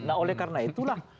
nah oleh karena itulah